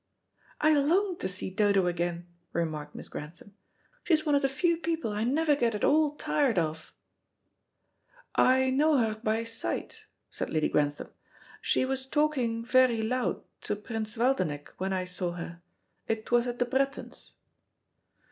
"I long to see Dodo again," remarked Miss Grantham. "She's one of the few people I never get at all tired of." "I know her by sight," said Lady Grantham. "She was talking very loud to Prince Waldenech when I saw her. It was at the Brettons'."